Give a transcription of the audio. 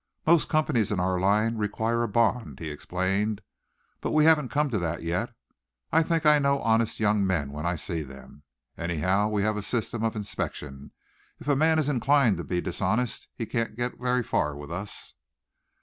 "Most companies in our line require a bond," he explained, "but we haven't come to that yet. I think I know honest young men when I see them. Anyhow we have a system of inspection. If a man's inclined to be dishonest he can't get very far with us."